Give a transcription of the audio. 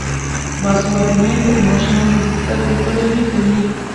باسواده میندې د ماشومانو د زده کړې پلوي کوي.